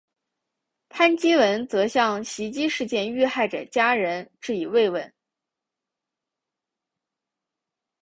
潘基文则向袭击事件遇害者家人致以慰问。